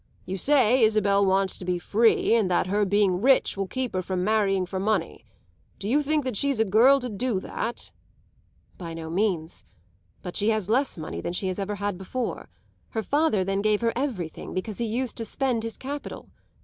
You say Isabel wants to be free, and that her being rich will keep her from marrying for money. Do you think that she's a girl to do that?" "By no means. But she has less money than she has ever had before. Her father then gave her everything, because he used to spend his capital.